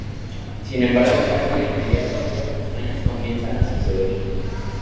Sin embargo casi de inmediato, cosas extrañas comienzan a suceder.